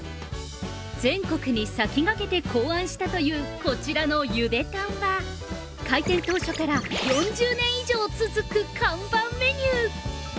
◆全国に先駆けて考案したというこちらのゆでたんは開店当初から４０年以上続く看板メニュー。